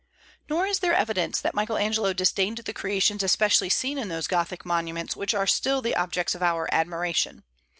Nor is there evidence that Michael Angelo disdained the creations especially seen in those Gothic monuments which are still the objects of our admiration.